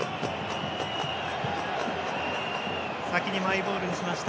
先にマイボールにしました。